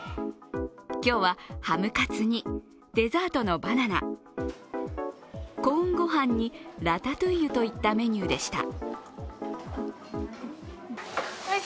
今日は、ハムカツにデザートのバナナ、コーンごはんにラタトゥイユといったメニューでした。